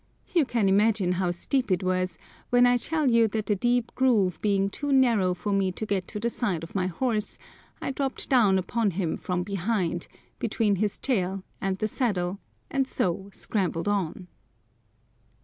You can imagine how steep it was, when I tell you that the deep groove being too narrow for me to get to the side of my horse, I dropped down upon him from behind, between his tail and the saddle, and so scrambled on!